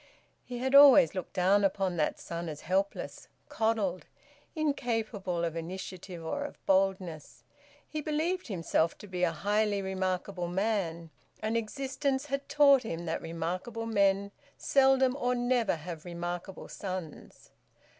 He had always looked down upon that son as helpless, coddled, incapable of initiative or of boldness. He believed himself to be a highly remarkable man, and existence had taught him that remarkable men seldom or never have remarkable sons.